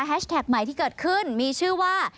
แท็กใหม่ที่เกิดขึ้นมีชื่อว่า